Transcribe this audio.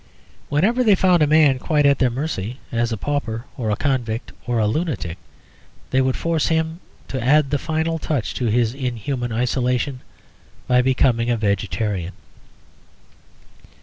Whenever they found a man quite at their mercy, as a pauper or a convict or a lunatic, they would force him to add the final touch to his inhuman isolation by becoming a vegetarian.